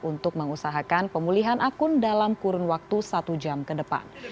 untuk mengusahakan pemulihan akun dalam kurun waktu satu jam ke depan